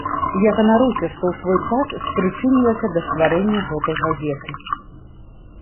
Я ганаруся, што ў свой час спрычынілася да стварэння гэтай газеты.